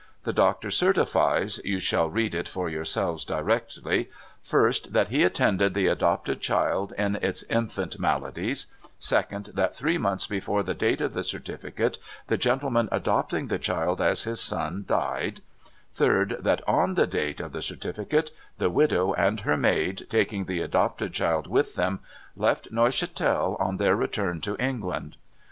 The doctor certifies (you shall read it for yourselves directly), first, that he attended the adopted child in its infant maladies ; second, that, three months before the date of the certificate, the gentleman adopting the child as his son died ; third, that 0}i the date of the certificate, the widow and her maid, taking the adopted child with them, left Neuchatel on their return to England.